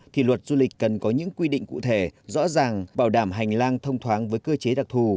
thì luật du lịch cần có những quy định cụ thể rõ ràng bảo đảm hành lang thông thoáng với cơ chế đặc thù